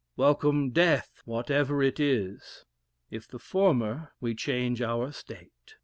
Welcome death whatever it is! If the former, we change our state.